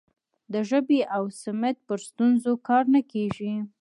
د ژبې او سمت پر ستونزو کار نه کیږي.